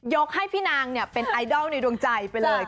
ให้พี่นางเป็นไอดอลในดวงใจไปเลย